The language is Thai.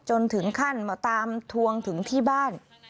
จนถึงขั้นมาตามทวงถึงที่บ้าน